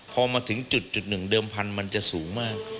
พอมาถึงจุดหนึ่งเดิมพันธุ์มันจะสูงมาก